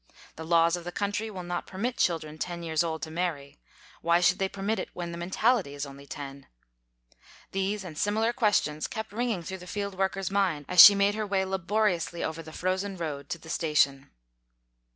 The laws of the country will not permit children ten years old to marry. Why should they permit it when the mentality is only ten ? These and similar questions kept ringing through the field worker's mind as she made her way laboriously over the frozen road to the station.